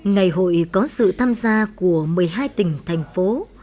ngày hội có sự tham gia của một mươi hai tỉnh thành phố